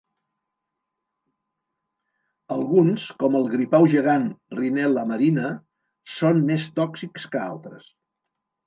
Alguns, com el gripau gegant "Rhinella marina", són més tòxics que altres.